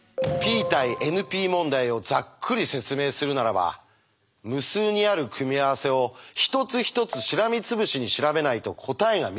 Ｐ対ＮＰ問題をざっくり説明するならば無数にある組み合わせを一つ一つしらみつぶしに調べないと答えが見つからないのか？